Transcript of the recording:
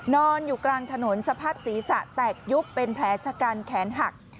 นอนอยู่กลางถนนสภาพศีรษะแตกยุบเป็นแผลชะกันแขนหัก